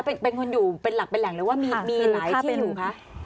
เป็นคนอยู่เป็นหลักเป็นแหล่งเลยว่ามีหลายที่อยู่คะ